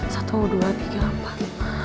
satu dua tiga empat